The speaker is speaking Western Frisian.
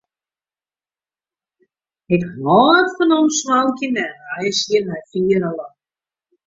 Ik hâld fan omswalkjen en reizgjen nei fiere lannen.